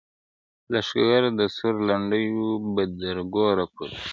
لښکر د سورلنډیو به تر ګوره پوري تښتي-